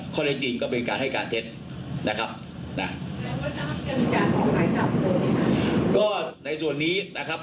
ข้อใดจริงก็เป็นการให้การเท็จนะครับน่ะก็ในส่วนนี้นะครับ